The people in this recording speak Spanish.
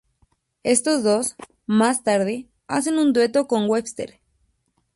Estos dos, más tarde, hacen un dueto con Webster.